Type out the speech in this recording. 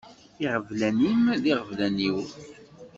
Iɣeblan-im d iɣeblan-iw.